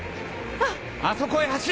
あそこへ走れ！